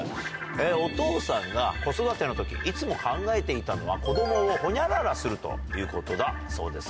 お父さんが子育てのとき、いつも考えていたのは、子どもをホニャララするということだそうです。